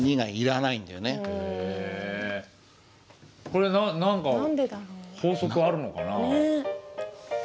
これ何か法則あるのかな？